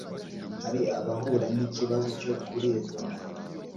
hari abahura n'ikibazo cyo kuribwa mu nda